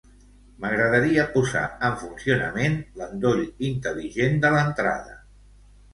M'agradaria posar en funcionament l'endoll intel·ligent de l'entrada.